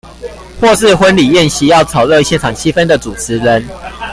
或是婚禮宴席要炒熱現場氣氛的主持人